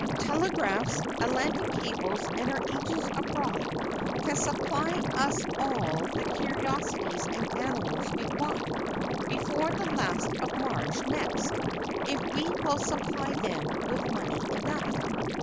Telegraphs, Atlantic cables and our agents abroad, can supply us all the curiosities and animals we want, before the last of March next, if we will supply them with money enough."